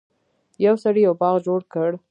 یو سړي یو باغ جوړ کړ.